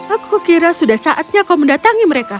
aku kira sudah saatnya kau mendatangi mereka